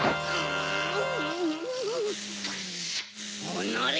おのれ！